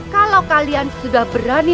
kalau kalian sudah berani